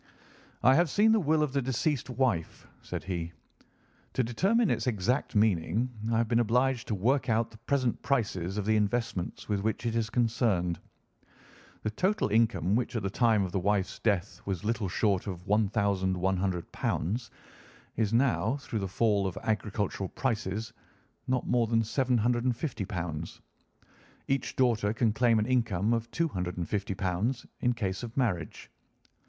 "I have seen the will of the deceased wife," said he. "To determine its exact meaning I have been obliged to work out the present prices of the investments with which it is concerned. The total income, which at the time of the wife's death was little short of £ 1,100, is now, through the fall in agricultural prices, not more than £ 750. Each daughter can claim an income of £ 250, in case of marriage.